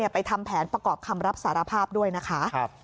ไปทำแผนประกอบคำรับสารภาพด้วยนะคะ